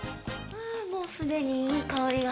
もうすでにいい香りが。